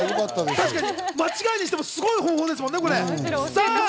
間違いにしても、すごい方法ですからね。